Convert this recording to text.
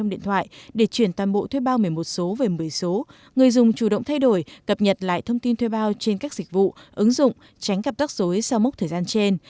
để chuyển toàn bộ thuê bao một mươi một số về một mươi số người dùng chủ động thay đổi cập nhật lại thông tin thuê bao trên các dịch vụ ứng dụng tránh gặp tắc dối sau mốc thời gian trên